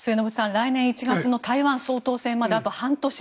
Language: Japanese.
来年１月の台湾総統選まであと半年。